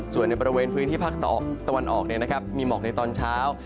ส่วนในบริเวณพื้นที่ภาคตะวันออกมีหมอกในตอนเช้า